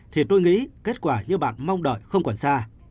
thì tôi nghĩ kết quả như bạn mong đợi không còn xa